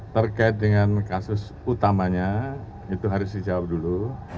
terkait dengan kasus utamanya itu harus dijawab dulu